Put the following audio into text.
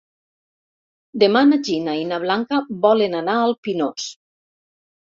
Demà na Gina i na Blanca volen anar al Pinós.